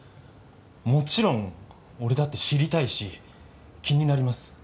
もちろん俺だって知りたいし気になります